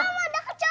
om ada kecoa